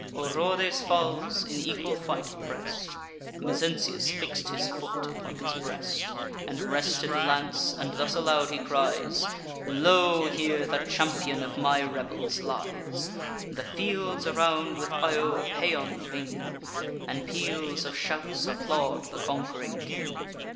Orodes falls, in equal fight oppress'd: Mezentius fix'd his foot upon his breast, And rested lance; and thus aloud he cries: "Lo! here the champion of my rebels lies!" The fields around with Io Paean! ring; And peals of shouts applaud the conqu'ring king.